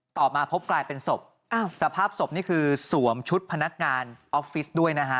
ต่อมาพบกลายเป็นศพสภาพศพนี่คือสวมชุดพนักงานออฟฟิศด้วยนะฮะ